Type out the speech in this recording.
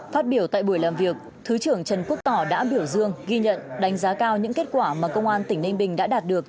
phát biểu tại buổi làm việc thứ trưởng trần quốc tỏ đã biểu dương ghi nhận đánh giá cao những kết quả mà công an tỉnh ninh bình đã đạt được